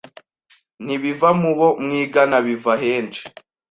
ntibiva mu bo mwigana biva henshi